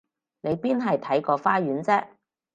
你邊係睇個花園啫？